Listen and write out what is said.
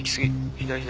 左左。